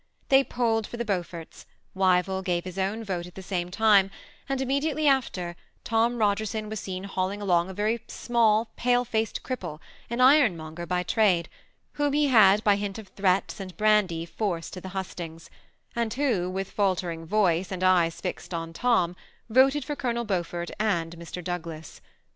They polled for the Beauforts ; Wyvill gave his own vote at the same time, and immediately after Tom Bogerson waa seen hauling along a very small, pale faced cripple, an ironmonger by trade, whom he had by dint of threats and brandy forced to the hustings; and who, with faltering voice and eyes fixed on Tom, voted for Cobnel Beaufort and Mr. Douglas.